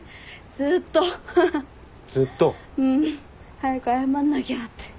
早く謝んなきゃって。